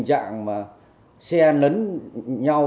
cái chuyện đấy